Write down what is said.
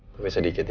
kue sedikit ya